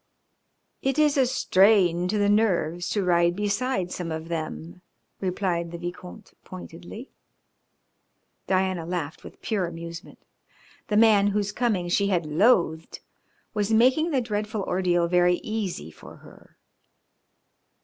"It is a strain to the nerves to ride beside some of them," replied the Vicomte pointedly. Diana laughed with pure amusement. The man whose coming she had loathed was making the dreadful ordeal very easy for her.